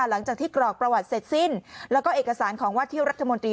หลังจากที่กรอกประวัติเสร็จสิ้นแล้วก็เอกสารของว่าที่รัฐมนตรี